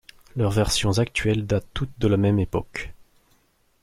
Leurs versions actuelles datent toutes de la même époque.